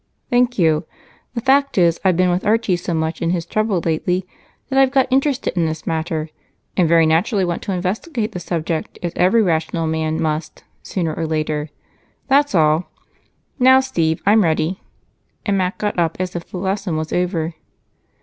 "Thank you. The fact is, I've been with Archie so much in his trouble lately that I've gotten interested in this matter and very naturally want to investigate the subject as every rational man must, sooner or later, that's all. Now, Steve, I'm ready." And Mac got up as if the lesson was over.